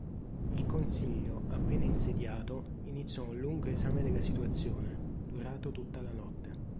Il Consiglio, appena insediato, iniziò un lungo esame della situazione, durato tutta la notte.